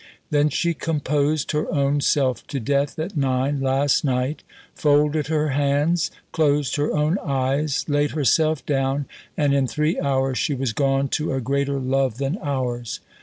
Then she composed her own self to death at 9 last night: folded her hands: closed her own eyes: laid herself down, and in three hours she was gone to a Greater Love than ours....